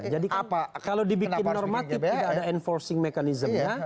jadi kalau dibikin normatif tidak ada enforcing mechanism nya